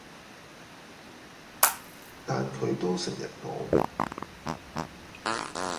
但佢都成日講